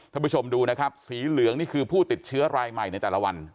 ผู้ชมดูนะครับสีเหลืองนี่คือผู้ติดเชื้อรายใหม่ในแต่ละวัน